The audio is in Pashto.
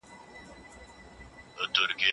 که اصول مراعت نسي نو خط خپل ارزښت له لاسه ورکوي.